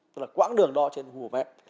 đó là quãng đường đo trên hồ mẹ